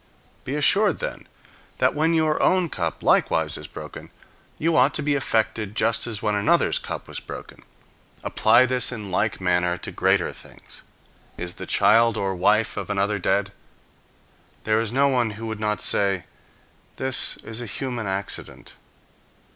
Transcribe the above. Be assured, then, that when your own cup likewise is broken, you ought to be affected just as when another's cup was broken. Apply this in like manner to greater things. Is the child or wife of another dead? There is no one who would not say, "This is a human accident."